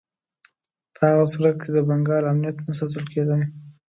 په هغه صورت کې د بنګال امنیت نه ساتل کېدی.